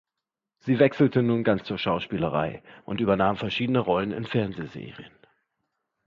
Sie wechselte nun ganz zur Schauspielerei und übernahm verschiedene Rollen in Fernsehserien.